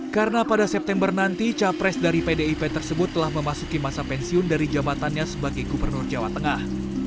karena pada september nanti capres dari pdip tersebut telah memasuki masa pensiun dari jabatannya sebagai gubernur jawa tengah